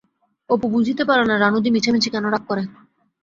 অপু বুঝিতে পারে না রানুদি মিছামিছি কেন রাগ করে!